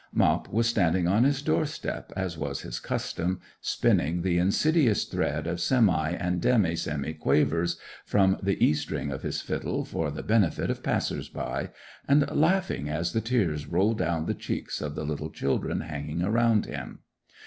Mop was standing on his door step, as was his custom, spinning the insidious thread of semi and demi semi quavers from the E string of his fiddle for the benefit of passers by, and laughing as the tears rolled down the cheeks of the little children hanging around him.